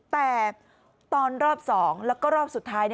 แต่ตอนรอบ๒แล้วก็รอบสุดท้าย